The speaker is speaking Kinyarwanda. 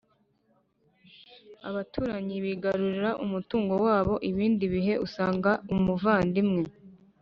abaturanyi bigarurira umutungo wabo. ibindi bihe usanga umuvandimwe